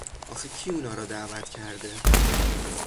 آخه کی اونارو دعوت کرده!